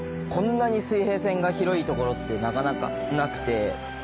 こんなに水平線が広いところってなかなかなくて。